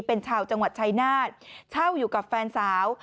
เป็นชาวจังหวัดชายนาฏเช่าอยู่กับแฟนสาว